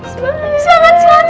semangat semangat semangat